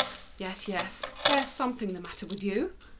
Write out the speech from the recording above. "Yes, yes; there's something the matter with you.